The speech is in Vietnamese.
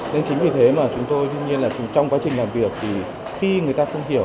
nên chính vì thế mà chúng tôi tuy nhiên trong quá trình làm việc thì khi người ta không hiểu